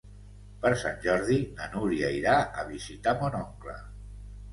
Per Sant Jordi na Núria irà a visitar mon oncle.